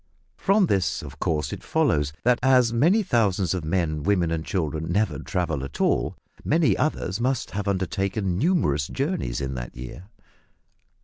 From this of course it follows, that as many thousands of men, women, and children never travel at all, many others must have undertaken numerous journeys in that year.